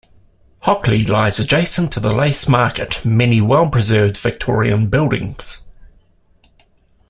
Hockley lies adjacent to the Lace Market, many well-preserved Victorian buildings.